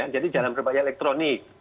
jadi jalan berbaya elektronik